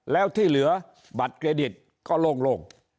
แล้วที่เหลือบัตรเครดิตก็โล่ง